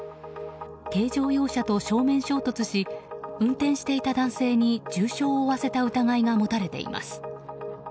軽乗用車と正面衝突し運転していた男性に重傷を負わせた疑いが持たれています。